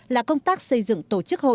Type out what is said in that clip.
là công tác xây dựng tổ chức hội